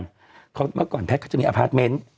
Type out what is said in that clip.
เพราะว่าเมื่อก่อนแพทย์จะมีอาพารซ์เม้นท์